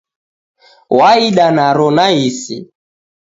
Waida naro naisi